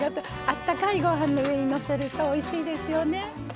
あったかいご飯の上にのせるとおいしいですよね。